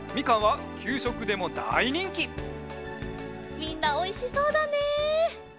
みんなおいしそうだね！